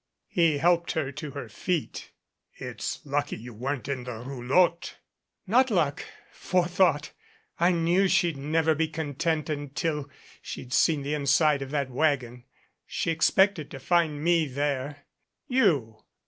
He helped her to her feet. "It's lucky you weren't in the roulotte." "Not luck forethought. I knew she'd never be con tent until she'd seen the inside of that wagon. She ex pected to find me there." "You!